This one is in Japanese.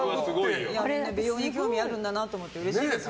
みんな、美容に興味あるんだなと思ってうれしいです。